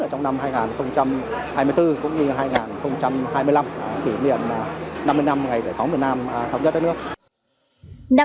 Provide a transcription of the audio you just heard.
trong năm hai nghìn hai mươi bốn cũng như hai nghìn hai mươi năm kỷ niệm năm mươi năm ngày giải phóng miền nam thống nhất đất nước